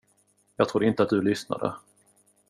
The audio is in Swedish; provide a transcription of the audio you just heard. Jag trodde inte att du lyssnade.